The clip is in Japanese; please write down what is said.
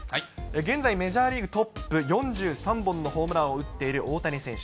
現在メジャーリーグトップ４３本のホームランを打っている大谷選手。